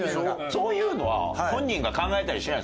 そういうのは本人が考えたりしないの？